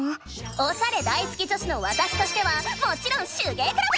おしゃれ大好き女子のわたしとしてはもちろん手芸クラブ！